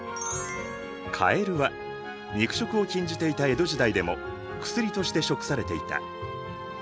かえるは肉食を禁じていた江戸時代でも薬として食されていた。